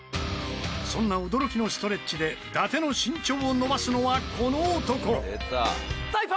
そんな驚きのストレッチで伊達の身長を伸ばすのはこの男。